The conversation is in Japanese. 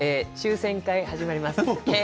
抽せん会始まります。